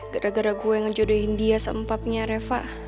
gara gara gue ngejodohin dia sama papinya reva